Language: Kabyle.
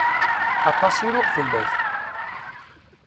Aṭas i ruɣ fell-ak.